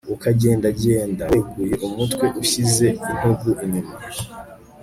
ukagendagenda weguye umutwe ushyize intugu inyuma